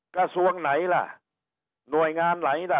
กระทรวงไหนล่ะหน่วยงานไหนล่ะ